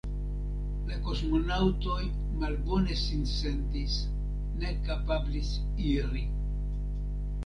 La kosmonaŭtoj malbone sin sentis, ne kapablis iri.